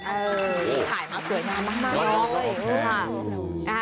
เออถ่ายมาสวยมากมากค่ะ